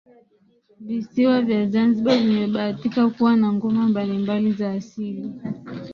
Visiwa vya zanzibar vimebahatika kuwa na ngoma mbali mbali za asili